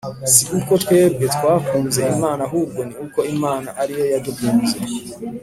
si uko twebwe twakunze Imana ahubwo ni uko Imana ari yo yadukunze,